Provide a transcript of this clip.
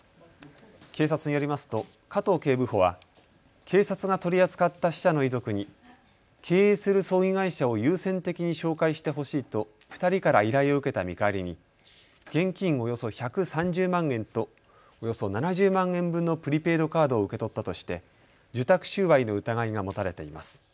警察によりますと加藤警部補は警察が取り扱った死者の遺族に経営する葬儀会社を優先的に紹介してほしいと２人から依頼を受けた見返りに現金およそ１３０万円とおよそ７０万円分のプリペイドカードを受け取ったとして受託収賄の疑いが持たれています。